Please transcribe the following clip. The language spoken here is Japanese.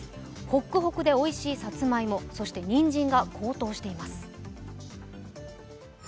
ほっくほくでおいしいさつまいも、そして、にんじんが高騰しています